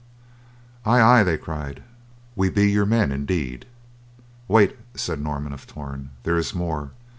"Aye, aye!" they cried. "We be your men, indeed." "Wait," said Norman of Torn, "there is more.